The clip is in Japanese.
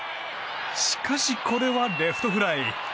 しかし、これはレフトフライ。